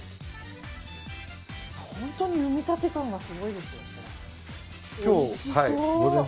本当に産みたて感がすごいです。